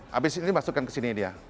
habis ini masukkan ke sini dia